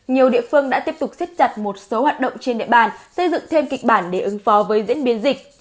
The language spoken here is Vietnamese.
nhiều địa phương đã tiếp tục xích chặt một số hoạt động trên địa bàn xây dựng thêm kịch bản để ứng phó với diễn biến dịch